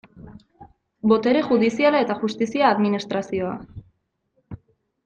Botere judiziala eta justizia administrazioa.